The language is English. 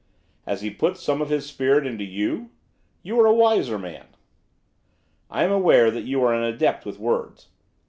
Has he put some of his spirit into you? You are a wiser man.' 'I am aware that you are an adept with words.